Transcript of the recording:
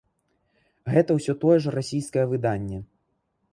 Гэта ўсё тое ж расійскае выданне.